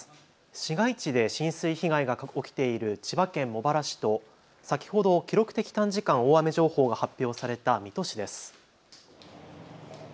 市街地で浸水被害が起きている千葉県茂原市と先ほど記録的短時間大雨情報が発表された水戸市です。